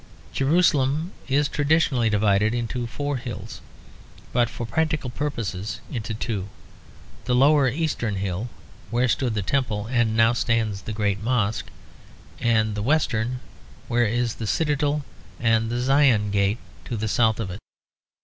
Jerusalem is traditionally divided into four hills, but for practical purposes into two; the lower eastern hill where stood the Temple, and now stands the great Mosque, and the western where is the citadel and the Zion Gate to the south of it.